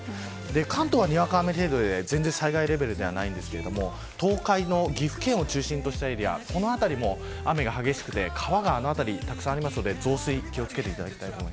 関東はにわか雨程度で全然災害レベルではありませんが東海の岐阜県を中心としたエリアこの辺りも雨が激しくて川があの辺りたくさんありますので、増水にお気を付けください。